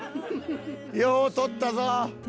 よう取ったぞ。